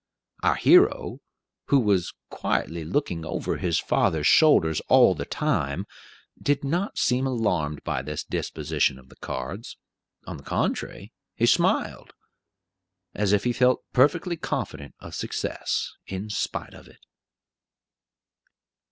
Our hero, who was quietly looking over his father's shoulders all the time, did not seem alarmed by this disposition of the cards; on the contrary, he smiled, as if he felt perfectly confident of success, in spite of it.